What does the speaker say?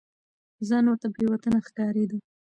ځان ورته بې وطنه ښکارېده.